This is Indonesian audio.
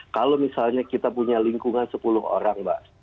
kalau misalnya kita punya lingkungan sepuluh orang mbak